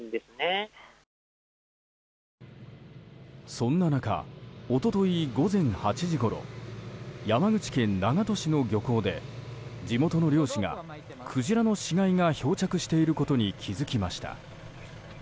そんな中、一昨日午前８時ごろ山口県長門市の漁港で地元の漁師が、クジラの死骸が漂着していることに気づきました。